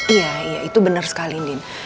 iya iya itu bener sekali ndin